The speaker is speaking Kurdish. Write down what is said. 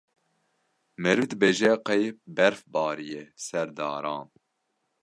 meriv dibêje qey berf bariye ser daran.